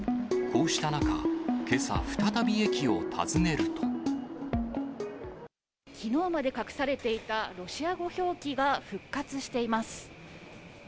こうした中、けさ、きのうまで隠されていたロシア語表記が復活しています。